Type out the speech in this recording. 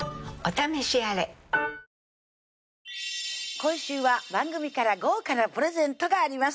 今週は番組から豪華なプレゼントがあります